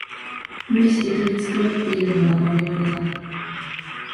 無理して取り繕ってるのがバレバレだ